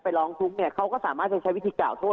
ไปลองทุก์เขาก็ส่าจะใช้วิธีกราวโทษ